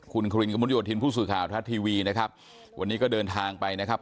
คุณคริมกระมุนยดทินผู้สื่อข่าวทัตรีวีนะครับ